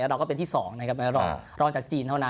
เราก็เป็นที่๒นะครับรองจากจีนเท่านั้น